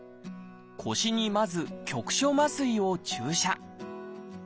腰にまず局所麻酔を注射。